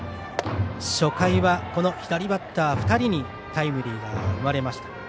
初回はこの左バッター２人にタイムリーが生まれました。